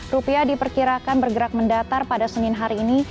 rupiah diperkirakan bergerak mendatar pada senin hari ini